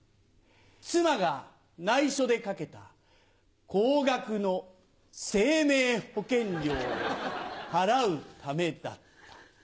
妻が内緒でかけた高額の生命保険料を払うためだった。